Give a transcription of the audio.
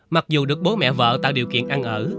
mặc dù được bố mẹ vợ tạo điều kiện ăn ở